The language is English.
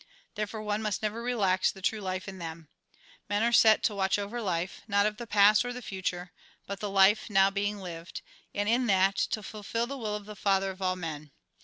Therefore one must never relax the true life in them. Men are set to watch over life, not of the past or the future, but the life now being lived; and in that, to fulfil the will of the Father of all men.